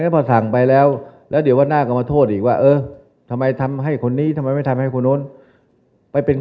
เขาว่ากันไม่ใช่หรอก